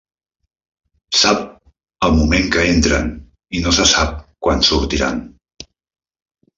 Sap el moment que entren i no se sap quan sortiran.